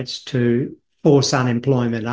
untuk membuat pekerjaan lebih tinggi